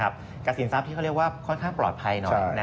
สินทรัพย์ที่เขาเรียกว่าค่อนข้างปลอดภัยหน่อย